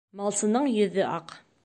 Малсының йөҙө аҡ.